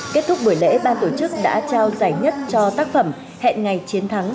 kết thúc buổi lễ ban tổ chức đã trao giải nhất cho tác phẩm hẹn ngày chiến thắng